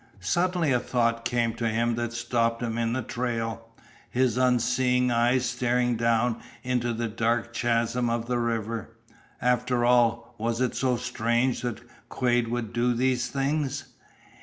Suddenly a thought came to him that stopped him in the trail, his unseeing eyes staring down into the dark chasm of the river. After all, was it so strange that Quade would do these things?